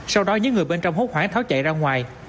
sau đó những người bên trong hốt hoảng tháo chạy ra ngoài